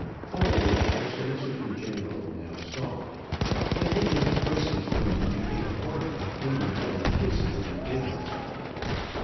All which the solicitor general now saw, and did not press his friend to take a part at any more of his little dinners.